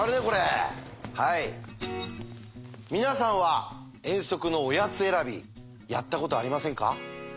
皆さんは遠足のおやつ選びやったことありませんか？